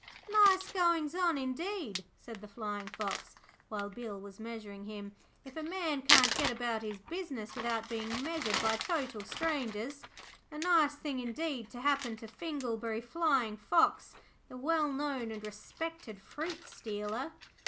'Nice goings on, indeed,' said the Flying fox, while Bill was measuring him, 'if a man can't go about his business without being measured by total strangers. A nice thing, indeed, to happen to Finglebury Flying fox, the well known and respected fruit stealer.'